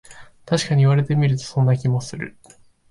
たしかに言われてみると、そんな気もする